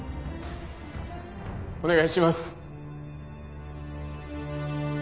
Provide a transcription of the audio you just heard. お願いします。